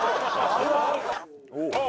ああ。